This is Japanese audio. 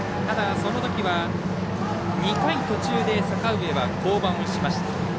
そのときは２回途中で阪上は降板をしました。